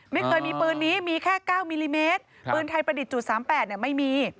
ไม่เคยมีปืนนี้มีแค่๙มิลลิเมตรปืนไทยประดิษฐ์จุด๓๘ไม่มี